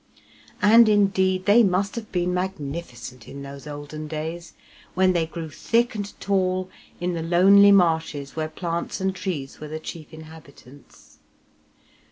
And indeed they must have been magnificent in those olden days, when they grew thick and tall in the lonely marshes where plants and trees were the chief inhabitants.